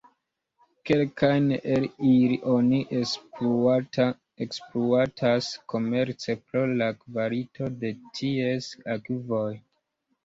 Kelkajn el ili oni ekspluatas komerce pro la kvalito de ties akvoj.